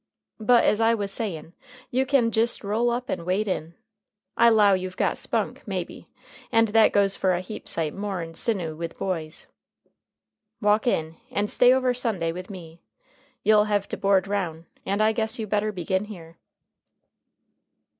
But, as I wuz sayin', you can jist roll up and wade in. I 'low you've got spunk, maybe, and that goes for a heap sight more'n sinnoo with boys. Walk in, and stay over Sunday with me. You'll hev' to board roun', and I guess you better begin here."